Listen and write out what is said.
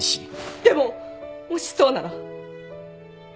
でももしそうなら？